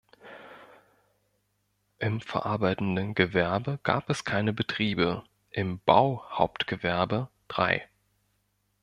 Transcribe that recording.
Im verarbeitenden Gewerbe gab es keine Betriebe, im Bauhauptgewerbe drei.